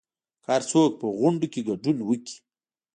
که هرڅوک په غونډو کې ګډون وکړي